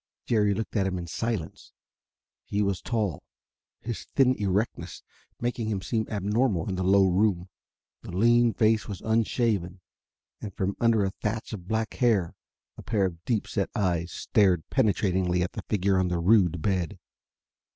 Jerry looked at him in silence. He was tall, his thin erectness making him seem abnormal in the low room. The lean face was unshaven, and from under a thatch of black hair a pair of deep set eyes stared penetratingly at the figure on the rude bed.